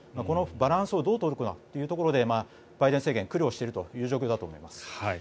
このバランスをどう取るかというところでバイデン政権苦慮している状況だと思います。